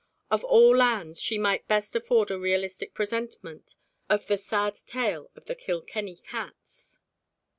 Of all lands she might best afford a realistic presentment of the sad tale of the Kilkenny cats.